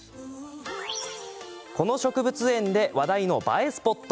この植物園で話題の映えスポット。